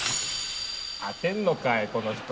当てんのかいこの人。